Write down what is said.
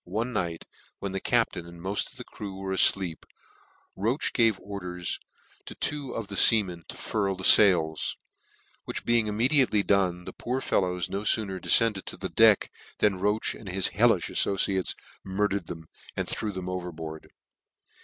One night, when the captain and moft of the crew were afleep, koche gave orders to two of the feamen to furl the fails ; which being immediately done, the poor fellows no fooner deicended to the deck, than Roche and his hellifh afibciar.es murdered them, and threw them overboard.